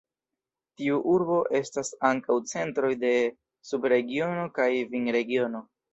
Tiu urbo estas ankaŭ centroj de subregiono kaj vinregiono.